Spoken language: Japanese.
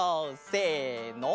せの！